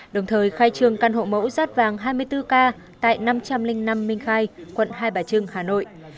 đồng thời khai trương căn hộ mẫu rát vàng hai mươi bốn k tại năm trăm linh năm minh khai quận hai bà trưng hà nội